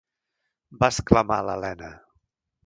Va exclamar l'Elena.